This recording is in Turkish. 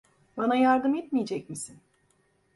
Bana yardım etmeyecek misin?